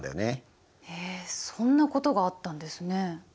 えそんなことがあったんですね。